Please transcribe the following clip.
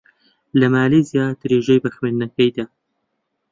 لە مالیزیا درێژەی بە خوێندنەکەی دا.